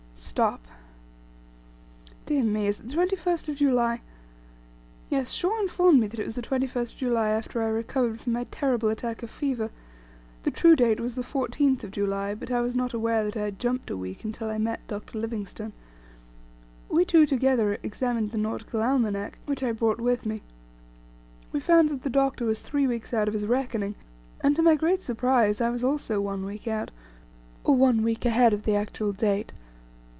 Stop! Dear me; is it the 21st of July? Yes, Shaw informed me that it was the 21st of July after I recovered from my terrible attack of fever; the true date was the 14th of July, but I was not aware that I had jumped a week, until I met Dr. Livingstone. We two together examined the Nautical Almanack, which I brought with me. We found that the Doctor was three weeks out of his reckoning, and to my great surprise I was also one week out, or one week ahead of the actual date.